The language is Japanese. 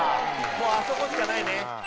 「もうあそこしかないね」